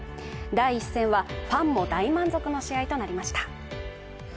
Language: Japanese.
第１戦はファンも大満足の試合となりました。